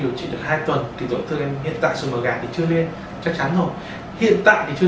điều trị được hai tuần thì tổn thương em hiện tại xùi màu gà thì chưa lên chắc chắn rồi hiện tại thì chưa